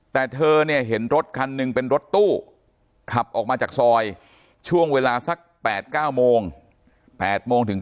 แต่เธอเนี่ยเห็นรถคันหนึ่งเป็นรถตู้ขับออกมาจากซอยช่วงเวลาสัก๘๙โมง๘โมงถึง